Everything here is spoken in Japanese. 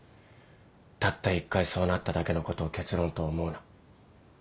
「たった一回そうなっただけのことを結論と思うな」。